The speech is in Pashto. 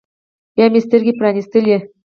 بيا مې سترګې پرانيستلې.